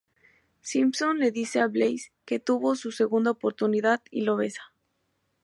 Simpson le dice a Blaze que tuvo su segunda oportunidad y lo besa.